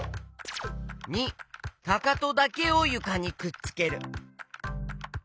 ②かかとだけをゆかにくっつける。